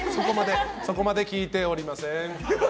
そこまで聞いておりません。